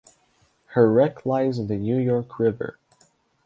Her wreck lies in the York River.